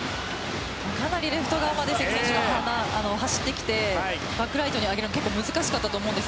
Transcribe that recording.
かなりレフト側まで関選手が走ってきてバックライトに上げるの結構、難しかったと思うんです。